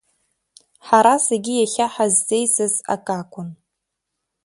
Ҳара зегьы иахьа ҳаззеизаз акакәын…